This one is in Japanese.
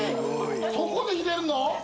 そこで入れるの？